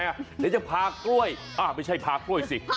เดี๋ยวจะพากล้วยไม่ใช่พากล้วยสิ